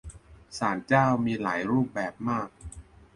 ศาลเจ้า มีหลายรูปแบบมาก